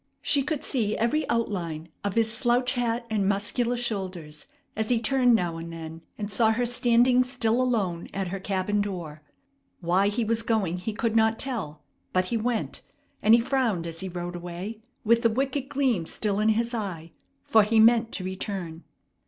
She could see every outline of his slouch hat and muscular shoulders as he turned now and then and saw her standing still alone at her cabin door. Why he was going he could not tell; but he went, and he frowned as he rode away, with the wicked gleam still in his eye; for he meant to return.